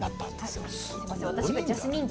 すいません